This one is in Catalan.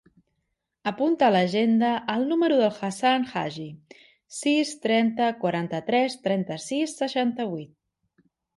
Apunta a l'agenda el número de l'Hassan Hajji: sis, trenta, quaranta-tres, trenta-sis, seixanta-vuit.